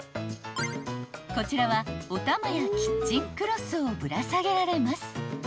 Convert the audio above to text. ［こちらはお玉やキッチンクロスをぶら下げられます］